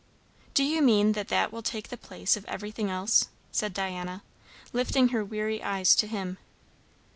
"Do you mean that that will take the place of everything else?" said Diana, lifting her weary eyes to him.